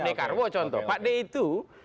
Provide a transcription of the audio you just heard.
pak dekarwo contoh pak de itu